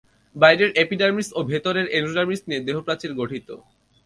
বাইরের এপিডার্মিস ও ভিতরের এন্ডোডার্মিস নিয়ে দেহ প্রাচীর গঠিত।